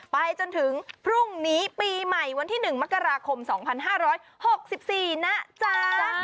ไปจนถึงพรุ่งนี้ปีใหม่วันที่๑มกราคม๒๕๖๔นะจ๊ะ